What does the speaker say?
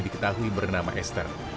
diketahui bernama esther